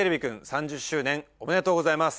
３０周年おめでとうございます！